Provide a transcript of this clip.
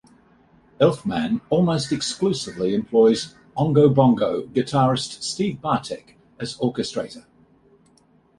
Elfman almost exclusively employs Oingo Boingo guitarist Steve Bartek as orchestrator.